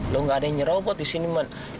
lo gak ada yang nyerobot disini ma